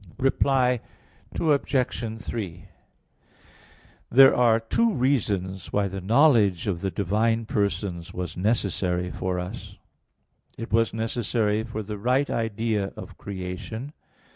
Reply Obj. 3: There are two reasons why the knowledge of the divine persons was necessary for us. It was necessary for the right idea of creation.